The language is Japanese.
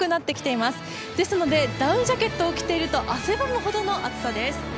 ですのでダウンジャケットを着ていると汗ばむほどの暑さです。